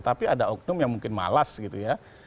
tapi ada oknum yang mungkin malas gitu ya